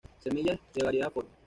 Semillas: De variada forma.